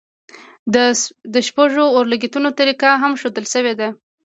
د شپږو اورلګیتونو طریقه هم ښودل شوې ده.